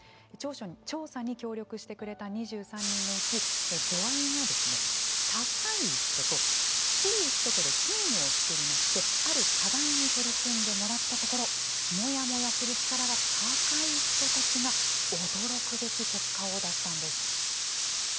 調査に協力してくれた２３人のうち度合いが高い人と低い人とでチームを作りましてある課題に取り組んでもらったところモヤモヤする力が高い人たちが驚くべき結果を出したんです。